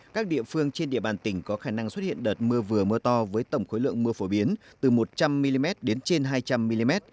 các địa phương trên địa bàn tỉnh có khả năng xuất hiện đợt mưa vừa mưa to với tổng khối lượng mưa phổ biến từ một trăm linh mm đến trên hai trăm linh mm